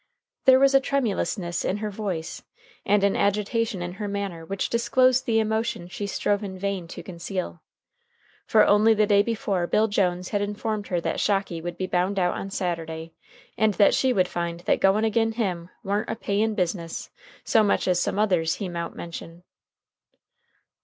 There was a tremulousness in her voice and an agitation in her manner which disclosed the emotion she strove in vain to conceal. For only the day before Bill Jones had informed her that Shocky would be bound out on Saturday, and that she would find that goin' agin him warn't a payin' business, so much as some others he mout mention.